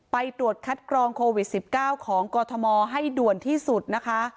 ไปตรวจคัดกรองโควิด๑๙ของกรทมให้ด่วนที่สุดนะคะ